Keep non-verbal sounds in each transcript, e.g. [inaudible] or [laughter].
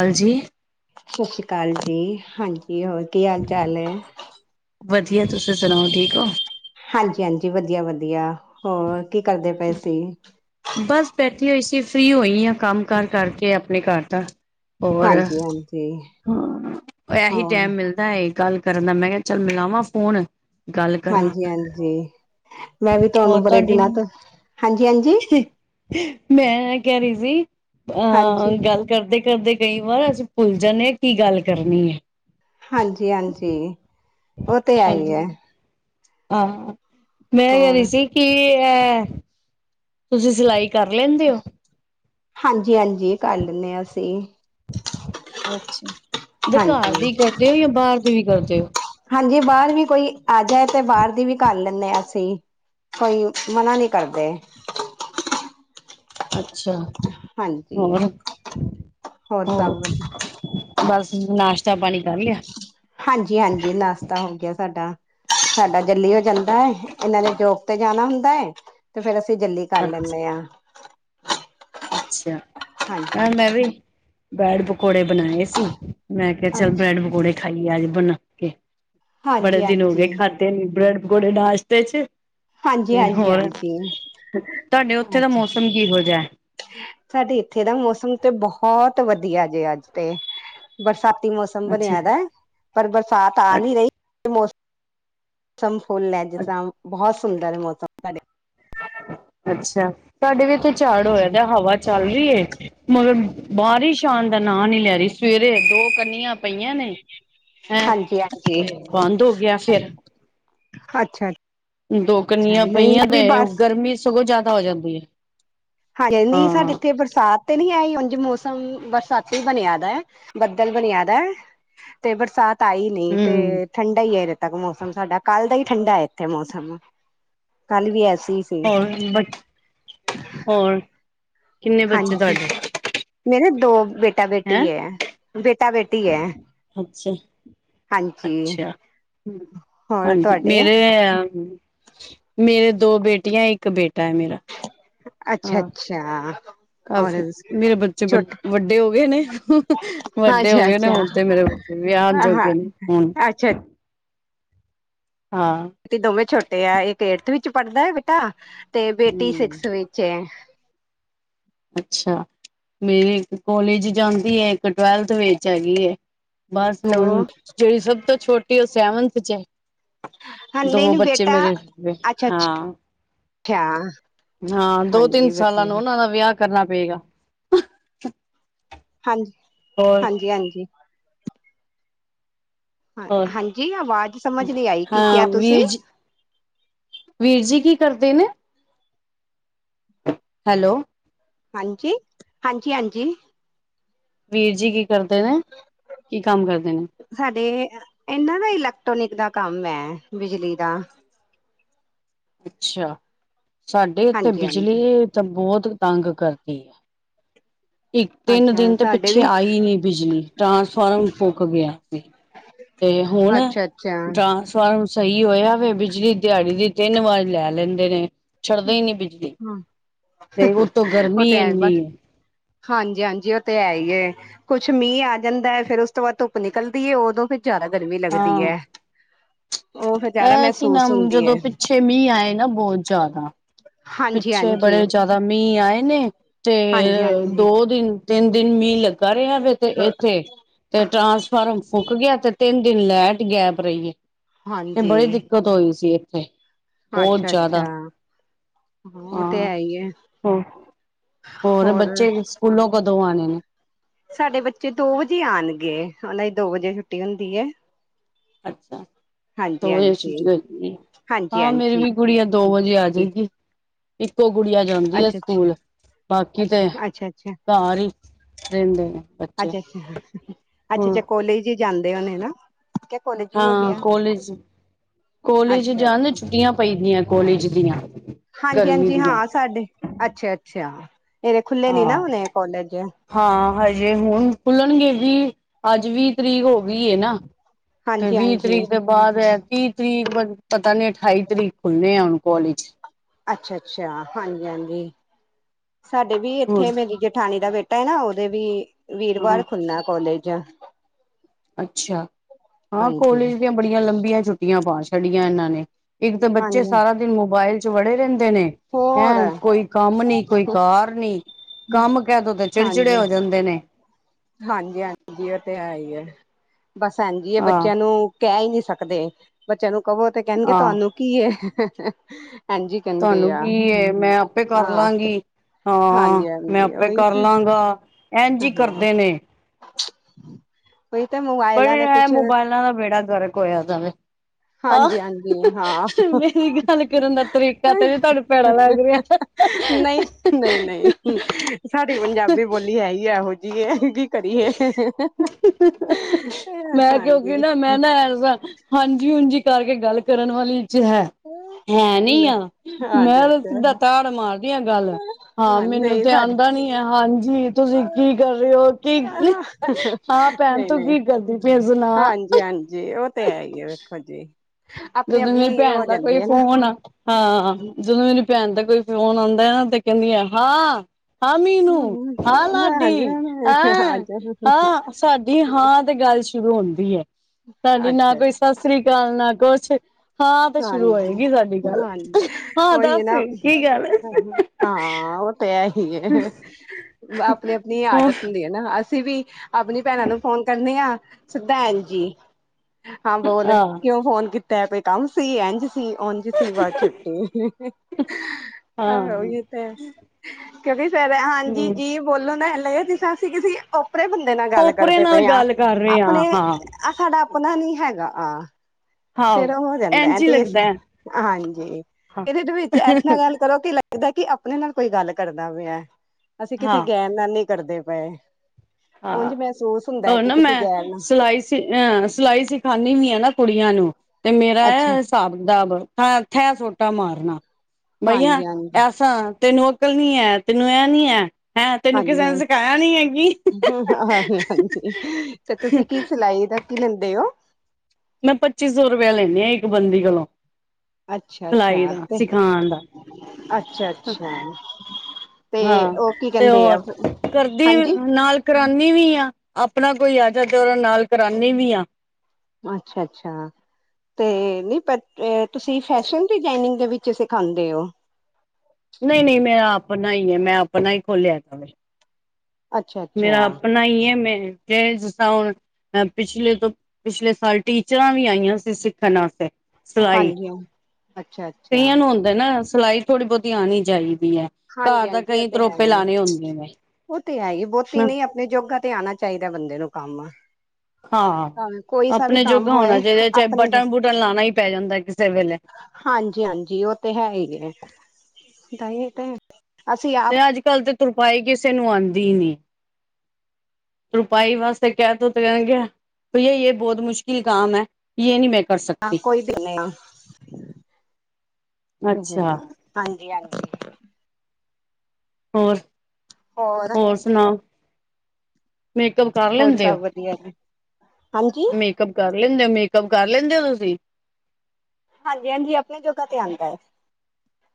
ਹਾਂਜੀ [inaudible] ਸ਼ਸ਼੍ਰੀ ਅਕਾਲ ਜੀ, ਹਾਂਜੀ ਹੋਰ ਕੀ ਹਾਲ ਚਾਲ ਏ। ਵਦੀਆ ਤੁਸੀਂ ਸੁਨਾਓ ਠੀਕ ਓ? ਹਾਂਜੀ-ਹਾਂਜੀ, ਵਦੀਆ-ਵਦੀਆ ਹੋਰ ਕੀ ਕਰਦੇ ਪਏ ਸੀ? ਬਸ ਬੈਠੀ ਹੋਈ ਸੀ ਫ੍ਰੀ ਹੋਈ ਆ ਕੰਮ ਕਾਰ ਕਰਕੇ ਅਪਨੇ ਘਰ ਦਾ ਹੋਰ, ਹਾਂਜੀ ਹਾਂਜੀ, ਹਾਂ ਐਹੀ ਹੋਰ ਟੈਮ ਮਿਲਦਾ ਐ ਗੱਲ ਕਰਨ ਦਾ ਮੈਂ ਕੇਆ ਚੱਲ ਮਿਲਾਵਾਂ ਫੋਨ। ਗੱਲ ਕਰਾਂ ਹਾਂਜੀ-ਹਾਂਜੀ, ਮੈਂ ਵੀ ਹੋਰ ਤੁਆਨੂੰ ਬੜੇ ਤੁਹਾਡੀ ਦਿਨਾਂ ਤੋਂ ਹਾਂਜੀ-ਹਾਂਜੀ ਮੈਂ ਐ ਕੈ ਰੀ ਸੀ, ਹਾਂਜੀ ਅਹ ਗੱਲ ਕਰਦੇ ਕਰਦੇ ਕਈ ਵਾਰ ਅਸੀਂ ਭੁੱਲ ਜਾਂਨੇ ਕੀ ਗੱਲ ਕਰਨੀ ਐ। ਹਾਂਜੀ-ਹਾਂਜੀ, ਓ ਤੇ ਹੈ ਈ ਐ। ਹਾਂਜੀ ਹਾਂ, ਮੈਂ ਕੈ ਰੀ ਹੋਰ ਸੀ ਕਿ ਐ ਤੁਸੀ ਸਿਲਾਈ ਕਰ ਲੈਂਦੇ ਓ। ਹਾਂਜੀ-ਹਾਂਜੀ ਕਰ ਲੈਂਨੇ ਅਸੀਂ। ਅੱਛਾ ਤੇ ਘਰ ਹਾਂਜੀ ਦੇ ਈ ਕਰਦੇ ਓ ਯਾ ਬਾਰ ਦੀ ਵੀ ਕਰਦੇ ਓ? ਹਾਂਜੀ ਬਾਰ ਵੀ ਕੋਈ ਆ ਜਾਏ ਤੇ ਬਾਰ ਦੀ ਵੀ ਕਰ ਲੈਂਨੇ ਅਸੀਂ। ਕੋਈ ਮਨਾ ਨੀ ਕਰਦੇ। ਅੱਛਾ। ਹਾਂਜੀ, ਹੋਰ ਹੋਰ ਸਭ ਵਧੀਆ। ਬਸ ਨਾਸ਼ਤਾ ਪਾਨੀ ਕਰ ਲੇਆ? ਹਾਂਜੀ-ਹਾਂਜੀ ਨਾਸ਼ਤਾ ਹੋ ਗਯਾ ਸਾਡਾ। ਸਾਡਾ ਜਲੀ ਹੋ ਜਾਂਦਾ ਐ, ਏਨਾਂ ਨੇ ਜੋਬ ਤੇ ਜਾਨਾ ਹੁੰਦਾ ਐ ਤੇ ਫੇਰ ਅਸੀਂ ਜਲੀ ਕਰ ਲੈਂਨੇ ਅੱਛਾ ਆ। ਅੱਛਾ, ਹਾਂ ਹਾਂਜੀ ਮੈਂ ਵੀ ਬੈਡ ਪਕੌੜੇ ਬਨਾਏ ਸੀ। ਮੈਂ ਕੇਆ ਚੱਲ ਅੱਛਾ ਬ੍ਰੈਡ ਪਕੌੜੇ ਖਾਈਏ ਅੱਜ ਬਨਾ ਕੇ, ਬੜੇ ਹਾਂਜੀ ਦਿਨ ਹੋ ਹਾਂਜੀ ਗਏ ਖਾ ਧੇ ਨੀ ਬ੍ਰੈਡ ਪਕੌੜੇ ਨਾਸ਼ਤੇ ਚ। ਹਾਂਜੀ ਤੇ ਹਾਂਜੀ ਹੋਰ ਹਾਂਜੀ ਤੁਆਡੇ ਓਥੇ ਦਾ ਅੱਛਾ ਮੌਸਮ ਕੇਹੋ ਜਾ ਐ? ਸਾਡੇ ਇੱਥੇ ਦਾ ਮੌਸਮ ਤੇ ਬੋਹਤ ਵਦੀਆ ਜੇ ਅੱਜ ਤੇ ਬਰਸਾਤੀ ਮੌਸਮ ਸਮ ਅੱਛਾ ਬਨੇਆ ਦਾ ਐ, ਪਰ ਬਰਸਾਤ ਆ ਨੀ ਰਈ [unintelligible] ਮੌਸਮ ਫੁਲ ਐ ਜਿਸ ਤਰਾਂ ਬੋਹਤ ਸੁੰਦਰ ਐ ਮੌਸਮ। ਸਾਡੇ ਅੱਛਾ, ਸਾਡੇ ਵੀ ਏਥੇ ਝਾੜ ਹੋਏਆ ਹਾਂਜੀ ਦਾ ਐ, ਹਵਾ ਚੱਲ ਰੀ ਏ। ਮਗਰ ਬਾਰਿਸ਼ ਆਨਾ ਦਾ ਨਾਂ ਨੀ ਲੈ ਰੀ, ਸਵੇਰੇ ਦੋ ਕੰਨੀਆਂ ਪਈਆਂ ਨੇ। ਹੈਂ, ਹਾਂਜੀ ਹਾਂਜੀ ਤੇ ਬੰਦ ਹੋ ਗਯਾ ਫੇਰ। ਅੱਛਾ। ਦੋ ਅੱਛਾ ਕਨੀਆਂ ਨਹੀਂ ਪਈਆਂ ਵੀ ਤੇ ਬਸ ਗਰਮੀ ਸਗੋਂ ਜਾਦਾ ਹੋ ਜਾਂਦੀ ਏ। [unintelligible] ਨਈ ਹਾਂ ਸਾਡੇ ਏਥੇ ਬਰਸਾਤ ਤੇ ਨੀ ਆਈ ਉਂਝ ਮੌਸਮ ਬਰਸਾਤੀ ਬਨੇਆ ਦਾ ਐ, ਬੱਦਲ ਬਨੇਆ ਦਾ ਐ। ਤੇ ਬਰਸਾਤ ਆਈ ਨੀ ਤੇ ਹੂੰ ਠੰਡਾ ਈ ਏ ਅਜੇ ਤੱਕ ਮੌਸਮ ਸਾਡਾ ਕੱਲ ਦਾ ਈ ਠੰਡਾ ਐ ਐਥੇ ਮੌਸਮ, ਕੱਲ ਵੀ ਐਸੇ ਈ ਸੀ ਹੋਰ ਬਚ ਹੋਰ ਕਿੰਨੇ ਬੱਚੇ ਹਾਂਜੀ, ਤੁਹਾਡੇ ਮੇਰੇ ਦੋ ਬੇਟਾ-ਬੇਟੀ ਹੈਂ ਐ, ਬੇਟਾ ਬੇਟੀ ਐ। ਅੱਛਾ। ਅੱਛਾ, ਹੂੰ ਹੋਰ ਹਾਂਜੀ ਤੁਹਾਡੇ ਮੇਰੇ ਆ ਮੇਰੇ ਦੋ ਬੇਟੀਆਂ, ਇੱਕ ਬੇਟਾ ਐ ਮੇਰਾ। ਹਾਂ ਅੱਛਾ-ਅੱਛਾ। ਕਾਫੀ, ਮੇਰੇ ਬੱਚੇ ਵੱਡ-ਵੱਡੇ ਹੋ ਗੇ ਨੇ, ਵੱਡੇ ਹੋ ਅੱਛਾ ਗੇ ਨੇ, ਅੱਛਾ ਹੁਨ ਤੇ ਮੇਰੇ ਵਿਆਨਾ ਹਾਂ ਜੋਗੇਂ ਹੁਨ। [inaudible] ਹਾਂ ਚੇ ਦੋਵੇਂ ਛੋਟੇ ਆ ਇੱਕ ਏਠਥ ਵਿੱਚ ਪੜ੍ਹਦਾ ਹੈ ਬੇਟਾ ਤੇ ਬੇਟੀ ਹਮ ਸਿਕਸ ਵਿੱਚ ਐ ਅੱਛਾ ਮੇਰੀ ਇੱਕ ਕੋਲੇਜ ਜਾਂਦੀ ਹੈ ਇੱਕ ਟਵੈਲਥ ਵਿੱਚ ਹੈਗੀ ਹੈ ਬਸ ਹੈਲੋ ਹੁਣ ਜਿਹੜੀ ਸਭ ਤੋਂ ਛੋਟੀ ਉਹ ਸੈਵਨਥ ਚ ਹੈ ਹਾਂ ਨਹੀਂ ਦੋ ਨਹੀਂ ਬੱਚੇ ਬੇਟਾ ਮੇਰੇ ਅੱਛਾ ਹਾਂ [unintelligible] ਹਾਂ ਦੋ ਤਿੰਨ ਹਾਂਜੀ ਸਾਲਾਂ ਨੂੰ ਵਧੀਆ ਉਹਨਾਂ ਦਾ ਵਿਆਹ ਕਰਨਾ ਪਏਗਾ ਹਾਂਜੀ ਹੋਰ ਹਾਂਜੀ ਹਾਂਜੀ ਹਾਂ ਹੋਰ ਹਾਂਜੀ ਆਵਾਜ਼ ਸਮਝ ਨਹੀ ਆਈ ਕੀ ਕਿਹਾ ਹਾਂ ਤੁਸੀ ਵੀਰ ਜੀ ਵੀਰ ਜੀ ਕੀ ਕਰਦੇ ਨੇ ਹੈਲੋ ਹਾਂਜੀ ਹਾਂਜੀ ਹਾਂਜੀ ਵੀਰ ਜੀ ਕੀ ਕਰਦੇ ਨੇ ਕੀ ਕੰਮ ਕਰਦੇ ਨੇ ਸਾਡੇ ਏਹਨਾਂ ਦਾ ਇਲੈਕਟ੍ਰੋਨਿਕ ਦਾ ਕੰਮ ਹੈ ਬਿਜਲੀ ਦਾ ਅੱਛਾ ਸਾਡੇ ਇੱਥੇ ਹਾਂਜੀ ਹਾਂਜੀ ਬਿਜਲੀ ਤਾਂ ਬਹੁਤ ਤੰਗ ਕਰਦੀ ਆ ਇੱਕ ਤਿੰਨ ਅੱਛਾ ਦਿਨ ਤੇ ਸਾਡੇ ਪਿੱਛੇ ਵੀ ਆਈ ਨੀ ਬਿਜਲੀ ਟਰਾਂਸਫਾਰਮ ਫੁਕ ਗਿਆ ਸੀ ਤੇ ਹੁਣ ਅੱਛਾ ਅੱਛਾ ਜਾਣਸ [unintelligible] ਸਹੀ ਹੋਇਆ ਵੇ ਬਿਜਲੀ ਦਿਹਾੜੀ ਦੀ ਤਿੰਨ ਵਾਰ ਲੈ ਲੈਂਦੇ ਨੇ ਛੱਡਦੇ ਹੀ ਨੀ ਬਿਜਲੀ ਹਾਂ ਤੇ ਉਤੋਂ ਉਹ ਗਰਮੀ ਤੇ ਏਨੀ ਬਸ ਹੈ ਹਾਂਜੀ ਹਾਂਜੀ ਉਹ ਤੇ ਹੈ ਹੀ ਐ ਕੁੱਛ ਮੀਂਹ ਆ ਜਾਂਦਾ ਫੇਰ ਉਸ ਤੋਂ ਬਾਅਦ ਧੁੱਪ ਨਿਕਲਦੀ ਏ ਉਦੋਂ ਫਿਰ ਜ਼ਿਆਦਾ ਗਰਮੀ ਲੱਗਦੀ ਹੈ ਉਹ ਫਿਰ ਜ਼ਿਆਦਾ ਅਹ ਕਿ ਮਹਿਸੂਸ ਨਾਮ ਹੁੰਦੀ ਹੈ ਜਦੋਂ ਪਿੱਛੇ ਮੀਂਹ ਆਏ ਨਾ ਬਹੁਤ ਜ਼ਿਆਦਾ ਹਾਂਜੀ ਪਿੱਛੇ ਹਾਂਜੀ ਬੜੇ ਜਿਆਦਾ ਮੀਂਹ ਆਏ ਨੇ ਤੇ ਹਾਂਜੀ ਦੋ ਦਿਨ ਤਿੰਨ ਦਿਨ ਮੀਹ ਲੱਗਾ ਰਿਹਾ ਵੇ ਤੇ ਹਾਂਜੀ ਇੱਥੇ ਤੇ ਟਰਾਂਸਫਾਰਮ ਫੂਕ ਗਿਆ ਤੇ ਤਿੰਨ ਦਿਨ ਲੈਟ ਗੈਪ ਰਹੀ ਹੈ ਤੇ ਬੜੀ ਹਾਂਜੀ ਦਿੱਕ ਕਤ ਹੋਈ ਸੀ ਇੱਥੇ ਬਹੁਤ ਅੱਛਾ ਅੱਛਾ ਜ਼ਿਆਦਾ ਹਾਂ ਉਹ ਤੇ ਹਾਂ ਹੈ ਹੀ ਹੈ ਹੋ ਹੋਰ ਕੂਲੋਂ ਕਦੋਂ ਆਣੇ ਨੇ ਸਾਡੇ ਬੱਚੇ ਦੋ ਵਜੇ ਆਣਗੇ ਉਹਨਾਂ ਦੀ ਦੋ ਵਜੇ ਛੁੱਟੀ ਹੁੰਦੀ ਹੈ ਅੱਛਾ ਦੋ ਹਾਂਜੀ ਵਜੇ ਹਾਂਜੀ ਛੁੱਟੀ ਹੋ ਜੂ ਗੀ ਹਾਂਜੀ ਹਾਂ ਮੇਰੀ ਹਾਂਜੀ ਵੀ ਗੁੜੀਆ ਦੋ ਵਜੇ ਆ ਜੇਗੀ ਇੱਕੋ ਗੁੜੀਆ ਜਾਂਦੀ ਐ ਅੱਛਾ ਅੱਛਾ ਸਕੂਲ ਬਾਕੀ ਤੇ ਅੱਛਾ ਅੱਛਾ ਅੱਛਾ ਘਰ ਹੀ ਰਹਿੰਦੇ ਨੇ ਬੱਚੇ ਅੱਛਾ ਅੱਛਾ ਅੱਛਾ ਹੂੰ ਅੱਛਾ ਕੋਲੇਜ ਜਾਂਦੇ ਹੋਣੇ ਨਾ ਕਿਆ ਕੋਲੇਜ ਵੀ ਹੋ ਹਾਂ ਗਿਆ ਕੋਲੇਜ ਕੋਲੇਜ ਅੱਛਾ ਜਾਂਦੇ ਅੱਛਾ ਛੁੱਟੀਆਂ ਪਈਦੀਆਂ ਕੋਲੇਜ ਦੀਆਂ ਹਾਂਜੀ ਗਰਮੀ ਹਾਂਜੀ ਦੀਆਂ ਹਾਂ ਸਾਡੇ ਅੱਛਾ ਅੱਛਾ ਇਹਦੇ ਖੁੱਲੇ ਨੀ ਨਾ ਹਾਂ ਹੋਣੇ ਕੋਲੇਜ ਹਾਂ ਹਜੇ ਹੁਣ ਖੁੱਲਣਗੇ ਵੀ ਅੱਜ ਵੀਹ ਤਰੀਕ ਹੋ ਗਈ ਏ ਨਾ ਤੇ ਹਾਂਜੀ ਵੀਹ ਹਾਂਜੀ ਤਰੀਕ ਦੇ ਬਾਅਦ ਏ ਤੀਹ ਤਰੀਕ [unintelligible] ਪਤਾ ਨੀ ਅਠਾਈ ਤਰੀਕ ਖੁੱਲ੍ਹਣੇ ਹੈ ਹੁਣ ਕੋਲੇਜ ਅੱਛਾ ਅੱਛਾ ਹਾਂਜੀ ਹਾਂਜੀ ਸਾਡੇ ਵੀ ਹੋਰ ਇੱਥੇ ਮੇਰੀ ਜਠਾਣੀ ਦਾ ਬੇ ਟਾ ਹੈ ਨਾ ਉਹਦੇ ਵੀ ਵੀਰਵਾਰ ਹਾਂ ਖੁੱਲਣਾ ਕੋਲੇਜ ਅੱਛਾ ਹਾਂ ਹਾਂਜੀ ਕੋਲੇਜ ਦੀਆ ਬੜੀਆਂ ਲੰਬੀਆਂ ਛੁੱਟੀਆਂ ਪਾ ਛੱਡੀਆਂ ਇਹਨਾਂ ਨੇ ਇੱਕ ਤੇ ਬੱਚੇ ਹਾਂਜੀ ਸਾਰਾ ਦਿਨ ਮੋਬਾਇਲ ਚ ਵੜੇ ਰਹਿੰਦੇ ਨੇ ਹੈਂ ਹੋਰ ਕੋਈ ਕੰਮ ਨੀ ਕੋਈ ਕਾਰ ਨੀਂ। ਕੰਮ ਕੈਅ ਦੋ ਤੇ ਚਿੜਚਿੜੇ ਹਾਂਜੀ ਹੋ ਜਾਂਦੇ ਨੇ। ਹਾਂਜੀ -ਹਾਂਜੀ ਉਹ ਤੇ ਹੈ ਈ ਐ। ਬਸ ਐਂਜ ਈ ਏ ਹਾਂ ਬੱਚਿਆਂ ਨੂੰ ਕਹਿ ਈ ਨੀ ਸਕਦੇ। ਬੱਚਿਆਂ ਨੂੰ ਕਹੋ ਤੇ ਕਹਿਣਗੇ ਹਾਂ ਤੁਹਾਨੂੰ ਕੀ ਐ ਐਂਜ ਈ ਤੁਹਾਨੂੰ ਕੀ ਏ, ਮੈਂ ਆਪੇ ਕਰ ਲਾਂਗੀ। ਹਾਂ ਹਾਂਜੀ ਮੈਂ ਹਾਂਜੀ ਆਪੇ ਉਹੀ ਕਰ ਤੇ ਲਾਗਾ ਐਂਜ ਈ ਕਰਦੇ ਨੇ। ਚਚ [unintelligible] ਕੋਈ ਤਾਂ ਮੋਬਾ [inaudible] ਬਈ, ਐਂ ਮੋਬਾਇਲਾਂ ਦਾ ਬੇੜਾ ਗਰਕ ਹੋਇਆ ਦਾ ਵੇ। ਆਹ, ਹਾਂਜੀ ਹਾਂਜੀ ਹਾਂ ਮੇਰੀ ਗੱਲ ਕਰਨ ਦਾ ਤਰੀ ਕਾ ਤੇ ਨਹੀ ਤੁਹਾਨੂੰ ਭੈੜਾ ਲੱਗ ਰਿਹਾ। ਨਹੀਂ-ਨਹੀਂ, ਸਾਡੀ ਪੰਜਾਬੀ ਬੋਲੀ ਹੈ ਈ ਇਹੋ ਜੀ ਏ। ਕੀ ਕਰੀਏ, ਮੈਂ ਕਿਉਂਕਿ ਹਾਂਜੀ। [unintelligible] ਹਾਂਜੀ ਹੂੰਜੀ ਕਰਕੇ ਗੱਲ ਕਰਨ ਵਾਲੀਆਂ ਚ ਹੈ, ਹੈ ਨੀ ਆਂ। ਅੱਛਾ ਮੈਂ ਤੇ ਸਿੱਧਾ ਅੱਛਾ ਤਾੜ ਮਾਰਦੀ ਆ ਗੱਲ। ਹਾਂ, ਮੈਨੂੰ ਨਹੀਂ ਤੇ ਸਾਡੇ ਆਂਦਾ ਨੀ ਹਾਂਜੀ, ਤੁਸੀਂ ਕੀ ਕਰ ਰਹੇ ਓ ਕੀ-ਕੀ, ਹਾਂ ਭੈਣ ਨਹੀਂ ਤੂੰ ਕੀ ਕਰਦੀ ਪਈਯੇ ਸੁਣਾ ਜੀ ਉਹ ਤੇ ਹੈ ਈ ਐ ਵੇਖੋ ਜੀ। ਆਪਣੀ ਜਦੋਂ ਮੇਰੀ ਆਪਣੀ ਭੈਣ ਹੋ ਦਾ ਕੋਈ ਜਾਂਦੀ ਹੈ ਨਾ ਫੋਨ ਹਾਂ, ਜਦੋਂ ਮੇਰੀ ਭੈਣ ਦਾ ਕੋਈ ਫੋਨ ਆਉਂਦੈ ਨਾ ਤੇ ਕਹਿਣੀ ਆਂ, ਹਾਂ! ਹਾਂ! ਮੀਨੂੰ, ਹਾਂ! ਆ ਲਾਡੀ ਜਾਣਾ ਆ ਐਂ, ਜਾਣਾ ਹਾਂ ਸਾਡੀ ਹਾਂ ਤੇ ਗੱਲ ਹੁੰਦੀ ਐ ਧਾਡੀ ਨਾ ਅੱਛਾ ਕੋਈ ਸਾਸਰੀਕਾਲ, ਨਾ ਕੁਛ ਹਾਂ ਤੇ ਸ਼ੁਰੂ ਹਾਂਜੀ ਹੋਏਗੀ ਸਾਡੀ ਗੱਲ ਹ ਹਾਂ ਉਈ ਏ ਦੱਸ ਨਾਂ, ਕੀ ਗੱਲ ਹਾਂਅ ਪਿਆ ਹੀ ਏ ਆਪਣੀ- ਆਪਣੀ ਹਾਂ ਆਦਤ ਹੁੰਦੀ ਐ ਨਾ ਅਸੀਂ ਵੀ ਆਪਣੀ ਭੈਣਾਂ ਨੂੰ ਫੋਨ ਕਰਨੀ ਆਂ, ਸਿੱਧਾ ਐਜੀ ਹਾਂ ਬੋਲ ਕਿਉਂ ਫੋਨ ਕੀਤੈ ਕੋਈ ਕੰਮ ਸੀ ਇੰਝ ਸੀ ਉੰਝ ਸੀ ਬਸ ਛੁੱਟੀ। ਹਾਂ ਆਹੋ, ਉਹੀ ਹਮ ਤੇ ਕਿਉਂਕਿ ਫਰ ਹਾਂਜੀ ਜੀ ਬੋਲੋ ਨਾ ਇਹ ਲ ਆ ਜਿਸ ਤਾਂ ਅਸੀਂ ਕਿਸੇ ਓਪਰੇ ਬੰਦੇ ਨਾਲ ਗੱਲ ਓਪਰੇ ਕਰਦੇ ਨਾਲ ਪਏ ਆਂ, ਗੱਲ ਕਰ ਰਹੇ ਹਾਂ ਆਪਣੇ ਹਾਂ ਅ ਆਹ ਸਾਡਾ ਆਪਣਾ ਨੀ ਹੈਗਾ ਆ। ਹਾਂ ਫੇਰ ਉਹ ਹੋ ਜਾਂਦਾ ਐ ਇੰਝ ਹੀ ਤੇ ਇਸ ਲੱਗਦਾ ਹਾਂਜੀ ਹਾਂ ਇਹਦੇਚ ਵਿੱਚ ਐਸ ਨਾ ਗੱਲ ਕਰੋ ਕੀ ਲੱਗਦਾ ਕਿ ਆਪਣੇ ਨਾਲ ਕੋਈ ਗੱਲ ਕਰਦਾ ਪਿਐ, ਅਸੀਂ ਕਿਸੇ ਹਾਂ ਗੈਰ ਨਾ ਨੀ ਕਰਦੇ ਪਏ, ਉਂਝ ਹਾਂ ਮਹਿਸੂਸ ਹੁੰਦੈ ਕਿ ਕਿਸੇ ਗੈਰ ਨਾ ਸਿਲਾ ਸਿਲਾਈ ਸਿਖਾਨੀ ਵੀ ਆ ਨਾ ਕੁੜੀਆਂ ਨੂੰ ਤੇ ਮੇਰਾ ਅੱਛਾ ਐ ਸਾਬ ਕਿਤਾਬ ਥੈ ਸੋਟਾ ਮਾਰਨਾ ਬਈਆਂ ਹਾਂਜੀ ਹਾਂਜੀ ਐਸਾ, ਤੈਨੂੰ ਅਕਲ ਨੀ ਹੈ, ਤੈਨੂੰ ਇਹ ਨੀ ਹੈ, ਹੈਂ ਤੈਨੂੰ ਕਿਸੇ ਨੇ ਸਿਖਾਇਆ ਨੀ ਹੈ ਕਿ। ਹੂੰ ਹਾਂ ਹਾਂਜੀ ਹ ਤੇ ਤੁਸੀਂ ਕੀ ਸਿਲਾਈ ਦਾ ਕੀ ਲੈਂਦੇ ਹੋ। ਮੈਂ ਪੱਚੀ ਸੌ ਰੁਪਇਆ ਲੈਂਨੀ ਹਾਂ ਇੱਕ ਬੰਦੀ ਕੋਲੋਂ। ਅੱਛਾ ਸਿਲਾਈ ਅੱਛਾ ਦਾ ਤੇ ਸਿਖਾਉਣ ਦਾ। ਅੱਛਾ ਅੱਛਾ ਤੇ ਹਾਂ ਉਹ ਕੀ ਤੇ ਹੋ ਕਹਿੰਦੇ ਆ ਕਰਦੀ ਹਾਂਜੀ ਨਾਲ ਕਰਾਨੀ ਵੀ ਆ ਆਪਣਾ ਕੋਈ ਆ ਜਾ ਤੇ ਉਹਦਰੇ ਨਾਲ ਕਰਾਨੀ ਵੀ ਆ। ਅੱਛਾ-ਅੱਛਾ ਤੇ ਪ ਤੁਸੀਂ ਫੈਸ਼ਨ ਡਿਜਾਇਨਿੰਗ ਦੇ ਵਿੱਚ ਤੁਸੀਂ ਖਾਂਦੇ ਓ? ਨਹੀਂ-ਨਹੀਂ ਮੈਂ ਆਪਣਾ ਈ ਐ। ਮੈਂ ਆਪਣਾ ਈ ਖੋਲਿਆ ਦਾ। ਅੱਛਾ ਮੇਰਾ ਅੱਛਾ ਆਪਣਾ ਈ ਐ। ਮੈਂ-ਮੈਂ ਜਿਸ ਤਾ ਹੁਣ ਐ ਪਿਛਲੇ ਤੋਂ ਪਿਛਲੇ ਸਾਲ, ਟੀਚਰਾਂ ਵੀ ਆਈਆਂ ਸੀ ਸਿੱਖਣ ਆਸਤੇ। ਹਾਂਜੀ-ਹਾਂ। ਅੱਛਾ-ਅੱਛਾ। ਤੇ ਨਾ ਸਿਲਾਈ ਥੋੜ੍ਹੀ ਬਹੁਤੀ ਆਂਣੀ ਚਾਹੀਦੀ ਐ। ਘਰ ਹਾਂਜੀ ਦਾ ਹਾਂਜੀ ਉਹ ਕਈ ਤੇ ਹੈ ਤਰੋਪੇ ਹੀ ਆ ਲਾਣੇ ਹੁੰਦੇ ਨੇ। ਉਹ ਤੇ ਹੈ ਈ ਐ। ਬਹੁਤੀ ਨਾ। ਨੀ ਆਪਣੇ ਯੋਗਾ ਤੇ ਆਣਾ ਚਾਹੀਦਾ ਬੰਦੇ ਨੂੰ ਕੰਮ। ਹਾਂ, ਭਾਵੇਂ ਕੋਈ ਸਾ ਵੀ ਆਪਣੇ ਕੰਮ ਜੋਗਾ ਹੋਣਾ ਹੋਏ ਚਾਹੀਦਾ। ਚਾਹੇ ਆਪਣੇ ਜੋ, ਬਟਨ-ਬੁਟਨ ਲਾਣਾ ਈ ਪੈ ਜਾਂਦਾ ਕਿਸੇ ਵੇਲੇ। ਹਾਂਜੀ-ਹਾਂਜੀ। ਉਹ ਤੇ ਹੈ ਈ ਐ। ਤਾਂਈ ਤੇ ਅਸੀਂ ਆਪ ਅੱਜ-ਕੱਲ੍ਹ ਤੇ ਤੁਰਪਾਈ ਕਿਸੇ ਨੂੰ ਆਂਦੀ ਨੀ। ਤੁਰਪਾਈ ਵਾਸਤੇ ਕਹਿ ਦੋ ਤੇ ਕਹਿਣਗੇ। ਭਈਆ ਜੇ ਬਹੁਤ ਮੁਸ਼ਕਿਲ ਕਾਮ ਐ। ਯੇ ਨੀ ਮੈਂ ਕਰ ਸਕਤੀ। ਕੋਈ ਦਿੰਦੇ ਹਾਂ ਅੱਛਾ। ਹਾਂਜੀ-ਹਾਂਜੀ। ਹੋਰ ਹੋਰ-ਹੋਰ ਸੁਣਾਓ? ਮੇਕਅੱਪ ਕਰ ਹੋਰ ਸਭ ਵਧੀਆ ਨੇ। ਹਾਂਜੀ। ਮੇਕੱਪ ਕਰ ਲੈਂਦੇ ਓ, ਮੇਕੱਪ ਕਰ ਲੈਂਦੇ ਓ ਤੁਸੀਂ? ਹਾਂਜੀ-ਹਾਂਜੀ, ਆਪਣੇ ਜੋਗਾ ਤੇ ਆਂਦਾ ਏ।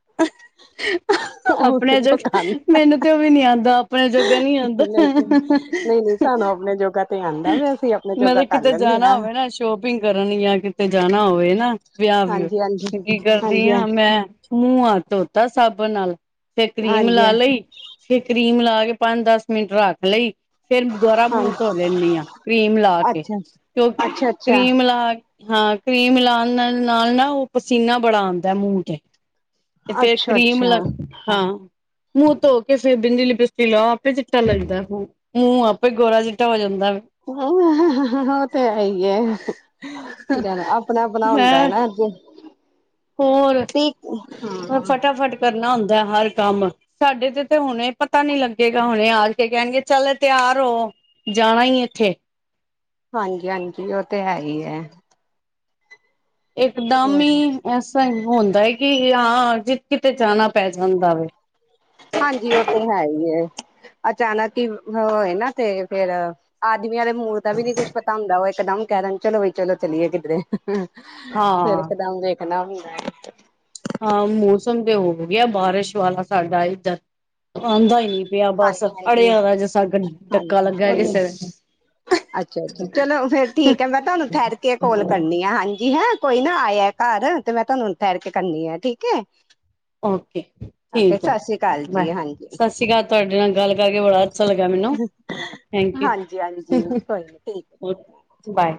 [inaudible] [inaudible] ਉਤੇ ਜੋ ਖਾਂਦਾ। ਮੈਨੂੰ ਤੇ ਉਹ ਵੀ ਨੀ ਆਉਂਦਾ ਆਪਣੇ ਜੋਗਾ ਨੀ ਆਉਂਦਾ ਨਹੀਂ-ਨਹੀਂ-ਨਹੀਂ-ਨਹੀਂ। ਸਾਨੂੰ ਆਪਣੇ ਜੋੋਗਾ ਤੇ ਆਂਦਾ ਵੇ। ਅਸੀਂ ਆਪਣੇ ਮੈਂ ਜੋੋਗਾ ਤਾਂ ਕਰ ਕਿਤੇ ਲੈਂਨੇ ਜਾਣਾ ਆ। ਹੋਵੇ ਨਾ ਸ਼ੋਪਿੰਗ ਕਰਣ ਲੀ ਜਾਂ ਕਿਤੇ ਜਾਣਾ ਹੋਵੇ ਨਾ। ਵਿਆਹ-ਵਿਊ ਹਾਂਜੀ ਹਾਂਜੀ ਤੇ ਕੀ ਕਰਦੀ ਹਾਂਜੀ ਹਾਂਜੀ ਆ ਮੈਂ ਮੂੰਹ-ਹੱਥ ਧੋਤਾ ਸਾਬਣ ਨਾਲ ਤੇ ਕਰੀਮ ਹਾਂਜੀ ਲਾ ਲਈ ਫਿਰ ਕਰੀਮ ਲਾ ਕੇ ਪੰਜ-ਦਸ ਮਿੰਟ ਰੱਖ ਲਈ। ਫੇਰ ਦੁਬਾਰਾ ਮੂੰਹ ਹਾਂਜੀ ਧੋ ਦੇਨੀ ਆ। ਕਰੀਮ ਲਾ ਕੇ ਅੱਛਾ ਤੇ ਉਹ ਅੱਛਾ ਅੱਛਾ ਕਰੀਮ ਮਿਲਾ ਹਾਂ, ਕਰੀਮ ਲਾਣ ਨਾਲ਼-ਨਾ-ਨਾਲ਼ ਉਹ ਪਸੀਨਾ ਬੜਾ ਆਂਦਾ ਮੂੰਹ ਤੇ। ਤੇ ਫੇਰ ਅੱਛਾ ਕਰੀਮ ਅੱਛਾ ਲੱਗ, ਹਾਂ। ਮੂੰਹ ਧੋ ਕੇ ਫਿਰ ਬਿੰਦੀ ਲਿਪਿਸਟਿਕ ਲਾਉ। ਆਪੇ ਚਿੱਟਾ ਲੱਗਦਾ ਹੂੰ। ਮੂੰਹ ਆਪੇ ਗੋਰਾ-ਚਿੱਟਾ ਹੋ ਜਾਂਦਾ ਵੇ। ਉਹ ਤੇ ਹੈ ਈ ਐ। ਜ਼ਾਦਾ ਆਪਣਾ-ਆਪਣਾ ਹੁੰਦਾ ਐ ਮੈਂ ਨਾ। ਜੇ ਹੋਰ ਤੇ ਹਾਂ। ਫਟਾਫਟ ਕਰਨਾ ਹੁੰਦਾ ਹਰ ਕੰਮ। ਸਾਡੇ ਤੇ-ਤੇ ਹੁਣੇ ਪਤਾ ਨੀ ਲੱਗੇਗਾ। ਹੁਣੇ ਆ ਕੇ ਕਹਿਣਗੇ ਚੱਲ ਤਿਆਰ ਹੋ। ਜਾਣਾ ਈ ਨੀ ਇੱਥੇ। ਹਾਂਜੀ-ਹਾਂਜੀ। ਉਹ ਤੇ ਹੈ ਈ ਐ। ਇਕਦਮ ਈ ਐਸਾ ਈ ਹੁੰਦਾ ਐ ਕਿ ਹਾਂ, ਜੇ ਕਿਤੇ ਜਾਣਾ ਪੈ ਜਾਂਦਾ ਵੇ। ਹਾਂਜੀ, ਉਹ ਤੇ ਹੈਈ ਏ। ਅਚਾਨਕ ਈ ਹੋਏ ਨਾ ਤੇ ਫਿਰ ਆਦਮੀਆਂ ਦੇ ਮੂਡ ਦਾ ਵੀ ਨੀ ਕੁੱਛ ਪਤਾ ਹੁੰਦਾ। ਉਹ ਇੱਕਦਮ ਕਹਿ ਦੇਣ। ਚਲੋ ਬਈ ਚਲੋ, ਚੱਲੀਏ ਕਿੱਧਰੇ। ਫਿਰ ਹਾਂ ਇੱਕ ਦਮ ਵੇਖਣਾ ਹੂੰਦਾ ਏ। ਆ, ਮੌਸਮ ਤੇ ਹੋ ਗਿਆ ਬਾਰਿਸ਼ ਵਾਲਾ ਸਾਡਾ ਇੱਧਰ। ਆਂਦਾ ਈ ਨੀ ਪਿਆ ਬੱਸ। ਹਾਂਜੀ ਹਾਂਜੀ ਅੜਿਆਂ [unintelligible] ਜਗ ਡੱਕਾ ਲੱਗਾ ਕਿਸੇ ਅੱਛਾ-ਅੱਛਾ। ਚਲੋ, ਫੇਰ ਠੀਕ ਐ। ਮੈਂ ਤੁਹਾਨੂੰ ਠਹਿਰ ਕੇ ਕੌਲ ਕਰਨੀ ਆ, ਹਾਂਜੀ ਹਾਂ। ਕੋਈ ਨਾ ਆਇਆ ਘਰ ਤੇ ਮੈਂ ਤੁਹਾਨੂੰ ਠਹਿਰ ਕੇ ਕਰਨੀ ਆ। ਠੀਕ ਐ। ਓਕੇ, ਠੀਕ ਐ। ਅਕਾਲ ਲੈ ਜੀ ਹਾਂਜੀ ਸਾਸਰੀ ਕਾਲ। ਤੁਹਾਡੇ ਨਾਲ ਗੱਲ ਕਰਕੇ ਬੜਾ ਅੱ ਅਛਾ ਲਗਾ ਮਿਨੂੰ, ਹਾਂਜੀ ਹਾਂਜੀ ਥੈਂਕਿਊ। ਕੋਈ ਨੀ ਠੀਕ ਹੈ। Okay bye.